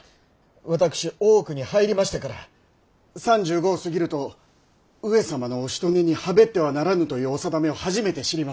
私大奥に入りましてから３５を過ぎると上様のおしとねに侍ってはならぬというお定めを初めて知りまして！